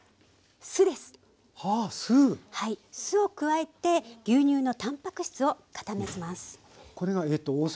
酢を加えて牛乳のタンパク質を固めます。